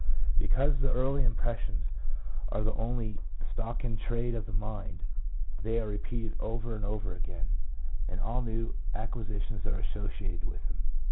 Because the early impressions are the only stock in trade of the mind, they are repeated over and over again, and all new acquisitions are associated with them.